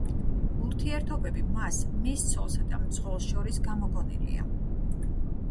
ურთიერთობები მას, მის ცოლსა და მძღოლს შორის გამოგონილია.